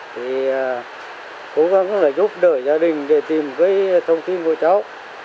thì cố gắng là giúp đỡ gia đình để tìm cái thông tin của cháu